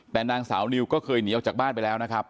แต่นางสาวนิวก็เคยหนีออกจากบ้านไปแล้วนะครับ